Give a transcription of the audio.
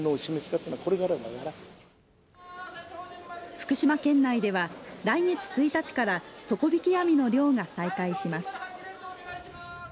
福島県内では来月１日から底引き網の漁が再開します。